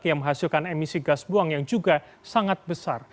yang menghasilkan emisi gas buang yang juga sangat besar